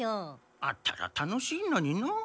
あったら楽しいのにのう。